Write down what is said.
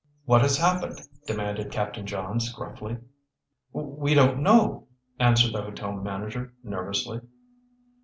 "What has happened?" demanded Captain Johns gruffly. "We don't know," answered the hotel manager nervously.